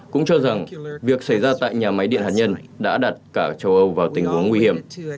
cũng cho rằng việc xảy ra tại nhà máy điện hạt nhân đã đặt cả châu âu vào tình huống nguy hiểm